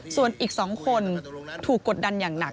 ส่วนอีก๒คนถูกกดดันอย่างหนัก